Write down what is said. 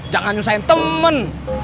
jangan nyusahin temen